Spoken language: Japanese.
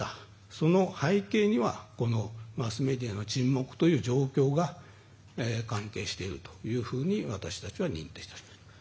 その背景にはマスメディアの沈黙という状況が関係しているというふうに私たちは認定しました。